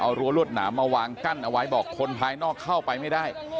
เอารั้วรวดหนามมาวางกั้นเอาไว้บอกคนภายนอกเข้าไปไม่ได้